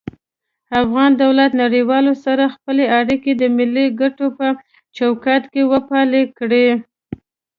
افغان دولت نړيوالو سره خپلی اړيکي د ملي کټو په چوکاټ کي وپالی کړي